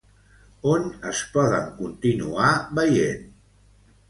On es poden continuar veient?